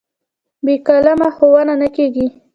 بې قلمه ښوونه نه کېږي.